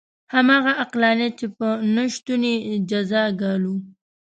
همغه عقلانیت چې په نه شتون یې جزا ګالو.